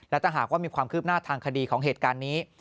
และถ้าหากว่ามีความคืบหน้าทางคดีของเหตุการณ์นี้